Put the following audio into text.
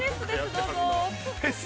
どうぞ。